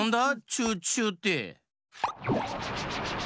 「チュウチュウ」って。